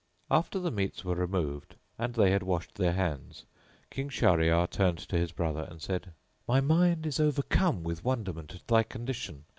After the meats were removed and they had washed their hands, King Shahryar turned to his brother and said, "My mind is overcome with wonderment at thy condition.